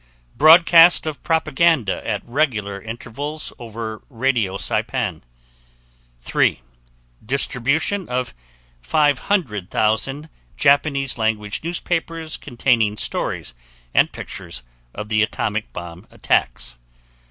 Broadcast of propaganda at regular intervals over radio Saipan. 3. Distribution of 500,000 Japanese language newspapers containing stories and pictures of the atomic bomb attacks.